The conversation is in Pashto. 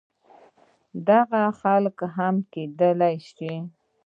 دغسې خلق هم کيدی شي